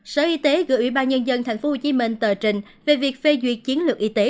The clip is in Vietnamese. sở y tế gửi ủy ban nhân dân tp hcm tờ trình về việc phê duyệt chiến lược y tế